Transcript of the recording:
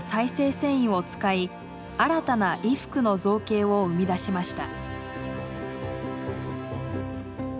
繊維を使い新たな衣服の造形を生み出しました。